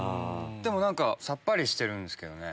でも何かさっぱりしてるんですけどね。